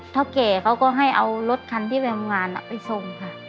เท้าเก่ก็ให้เอารถคันที่ไปโรงพยาบาลไปซมค่ะ